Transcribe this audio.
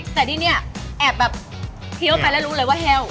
แต่ที่นี่แอบแบบเคี้ยวไปแล้วรู้เลยว่าแห้ว